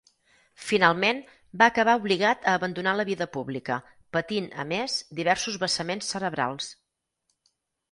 Finalment, va acabar obligat a abandonar la vida pública, patint a més, diversos vessaments cerebrals.